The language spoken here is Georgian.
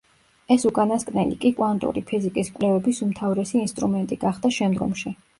ეს უკანასკნელი კი კვანტური ფიზიკის კვლევების უმთავრესი ინსტრუმენტი გახდა შემდგომში.